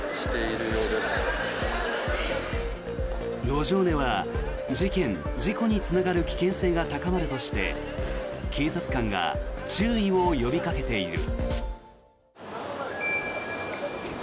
路上寝は事件・事故につながる危険性が高まるとして警察官が注意を呼びかけている。